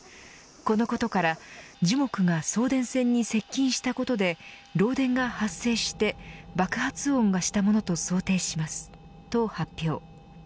このことから、樹木が送電線に接近したことで漏電が発生して爆発音がしたものと想定しますと発表。